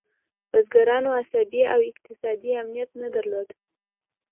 بزګرانو عصبي او اقتصادي امنیت نه درلود.